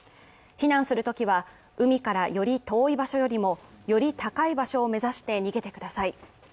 避難するときは、海からより遠い場所よりもより高い場所を目指して逃げてください。